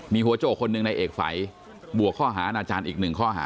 มีหัวโจกคนหนึ่งในเอกฝัยบวกข้อหาอาณาจารย์อีกหนึ่งข้อหา